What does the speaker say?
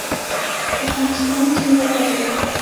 افغانستان څومره ګاز لري؟